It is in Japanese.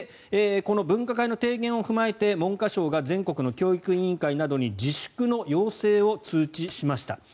この分科会の提言を踏まえて文科省が全国の教育委員会などに自粛の要請を通知しました。